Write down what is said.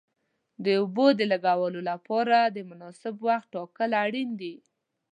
د اوبو د لګولو لپاره د مناسب وخت ټاکل اړین دي.